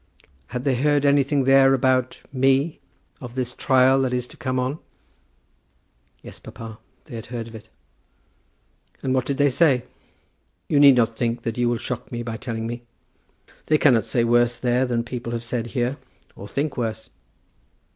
"Had they heard anything there about me; of this trial that is to come on?" "Yes, papa; they had heard of it." "And what did they say? You need not think that you will shock me by telling me. They cannot say worse there than people have said here, or think worse."